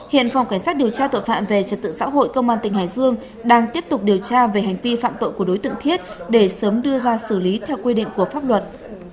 hiện phòng cảnh sát điều tra tội phạm về trật tự xã hội công an tỉnh hải dương đang tiếp tục điều tra về hành vi phạm tội của đối tượng thiết để sớm đưa ra xử lý theo quy định của pháp luật